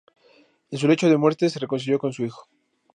En su lecho de muerte se reconcilió con su hijo.